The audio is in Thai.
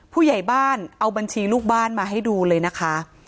ผู้ใหญ่บ้านเอาบัญชีลูกบ้านมาให้ดูเลยนะคะ